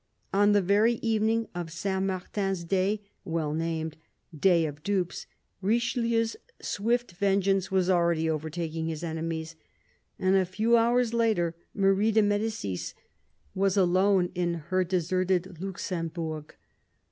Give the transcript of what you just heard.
On the very evening of St. Martin's Day, well named " Day of Dupes," Richelieu's swift ven geance was already overtaking his enemies. A few hours later Marie de Medicis was alone in her deserted Luxem bourg.